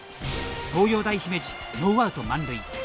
東洋大姫路ノーアウト満塁。